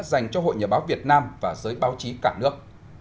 dành cho hội nhà báo việt nam và giới báo chí cả nước